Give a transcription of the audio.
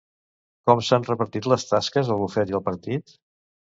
Com s'han repartit les tasques el bufet i el partit?